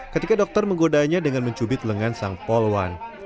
ketika dokter menggodanya dengan mencubit lengan sang polwan